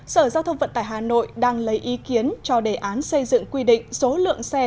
sở giao thông vận tải hà nội đang lấy ý kiến cho đề án xây dựng quy định số lượng xe